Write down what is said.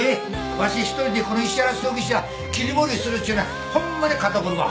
わし一人でこの石原葬儀社切り盛りするっちゅうのはホンマに肩凝るわ。